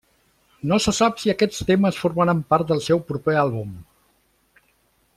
No se sap si aquests temes formaran part del seu proper àlbum.